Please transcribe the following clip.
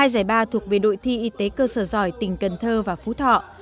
hai giải ba thuộc về đội thi y tế cơ sở giỏi tỉnh cần thơ và phú thọ